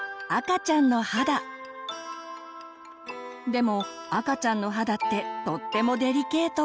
でも赤ちゃんの肌ってとってもデリケート。